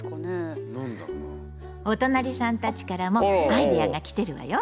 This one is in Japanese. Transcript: おとなりさんたちからもアイデアが来てるわよ。